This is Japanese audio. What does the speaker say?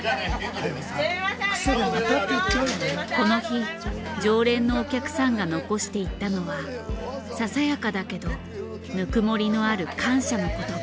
この日常連のお客さんが残していったのはささやかだけどぬくもりのある感謝の言葉。